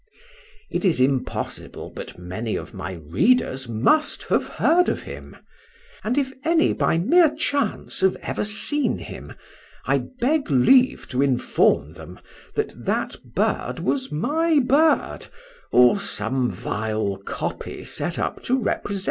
It is impossible but many of my readers must have heard of him; and if any by mere chance have ever seen him, I beg leave to inform them, that that bird was my bird, or some vile copy set up to represent him.